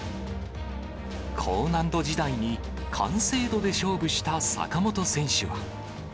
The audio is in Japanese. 高難度時代に完成度で勝負した坂本選手は。